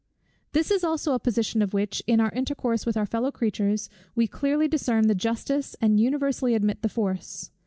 This also is a position of which, in our intercourse with our fellow creatures, we clearly discern the justice, and universally admit the force.